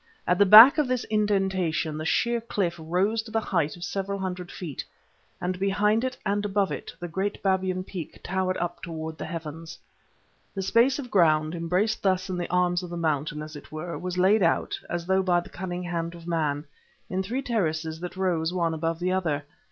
At the back of this indentation the sheer cliff rose to the height of several hundred feet, and behind it and above it the great Babyan Peak towered up towards the heavens. The space of ground, embraced thus in the arms of the mountain, as it were, was laid out, as though by the cunning hand of man, in three terraces that rose one above the other.